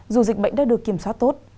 dù dịch bệnh đã được kiểm soát tốt